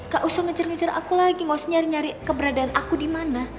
gak usah ngejar ngajar aku lagi gak usah nyari nyari keberadaan aku dimana